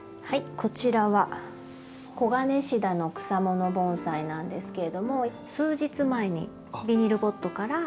こちらはコガネシダの草もの盆栽なんですけれども数日前にビニールポットから植え替えしてこちらの。